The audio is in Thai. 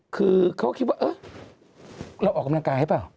คือเขาคิดว่าเออเราออกกำลังกายหรือเปล่า